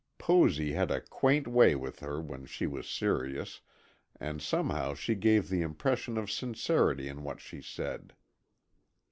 Posy had a quaint way with her, when she was serious, and somehow she gave the impression of sincerity in what she said.